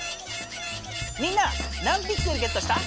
みんな何ピクセルゲットした？